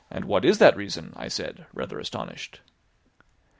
"What is that reason?" I said, rather astonished.